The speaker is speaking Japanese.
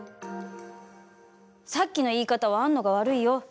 さっきの言い方はあんのが悪いよ。